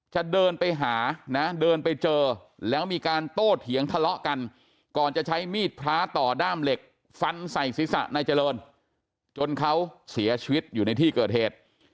จะเดินไปหานะเดินไปเจอแล้วมีการโต้เถียงทะเลาะกันก่อนจะใช้มีดพระต่อด้ามเหล็กฟันใส่ศีรษะนายเจริญจนเขาเสียชีวิตอยู่ในที่เกิดเหตุ